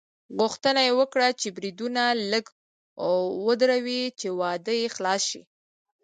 غوښتنه یې وکړه چې بریدونه لږ ودروي چې واده یې خلاص شي.